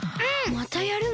またやるの？